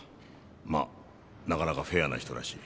まっなかなかフェアな人らしい。